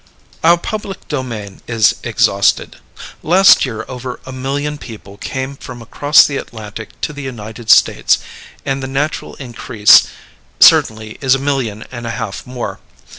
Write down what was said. Our public domain is exhausted. Last year over a million people came from across the Atlantic to the United States, and the natural increase certainly is a million and a half more.